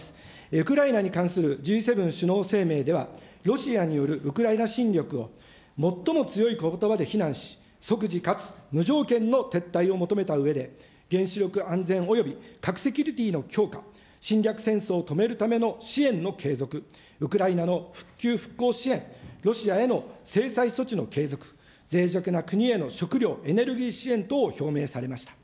ウクライナに関するＧ７首脳声明では、ロシアによるウクライナ侵略を、最も強いことばで非難し、即時かつ無条件の撤退を求めたうえで、原子力安全及び核セキュリティの強化、侵略戦争を止めるための支援の継続、ウクライナの復旧復興支援、ロシアへの制裁措置の継続、ぜい弱な国への食料・エネルギー支援等を表明されました。